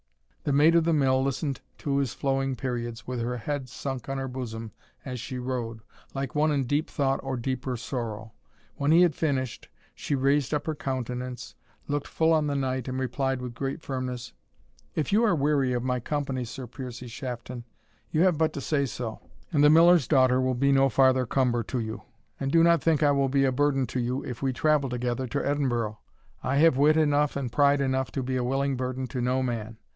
The Maid of the Mill listened to his flowing periods with her head sunk on her bosom as she rode, like one in deep thought or deeper sorrow. When he had finished, she raised up her countenance, looked full on the knight, and replied with great firmness "If you are weary of my company, Sir Piercie Shafton, you have but to say so, and the Miller's daughter will be no farther cumber to you. And do not think I will be a burden to you, if we travel together to Edinburgh; I have wit enough and pride enough to be a willing burden to no man.